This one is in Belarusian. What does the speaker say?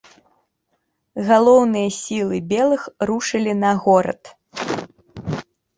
Галоўныя сілы белых рушылі на горад.